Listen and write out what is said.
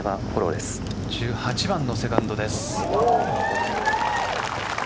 １８番のセカンドです。